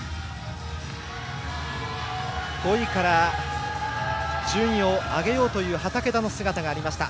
５位から順位を上げようという畠田の姿がありました。